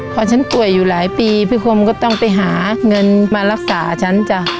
พอฉันป่วยอยู่หลายปีพี่คมก็ต้องไปหาเงินมารักษาฉันจ้ะ